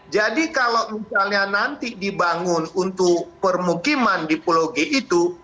jadi kalau misalnya nanti dibangun untuk permukiman di pulau g itu